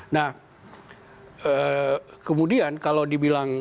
nah kemudian kalau dibilang